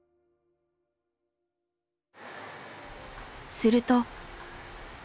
すると。